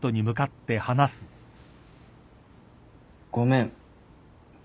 ごめん。